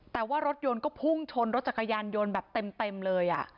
แต่ว่ารถยนต์ก็พุ่งชนรถจักรยานยนต์แบบเต็มเลย